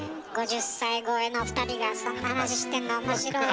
５０歳超えの２人がそんな話してんの面白い。